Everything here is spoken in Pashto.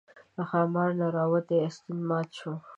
له ښاماره دې راوتى استين مات شو